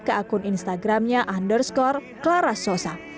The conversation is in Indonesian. ke akun instagramnya underscore clara sosa